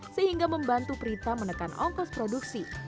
sehingga membantu prita menekan ongkos produksi